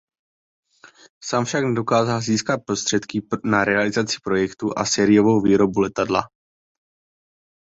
Sám však nedokázal získat prostředky na realizaci projektu a na sériovou výrobu letadla.